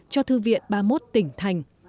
cho thư viện ba mươi một tỉnh thành